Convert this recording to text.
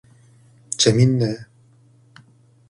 재밌네!